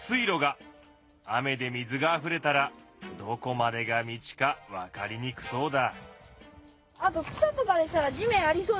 雨で水があふれたらどこまでが道か分かりにくそうだ。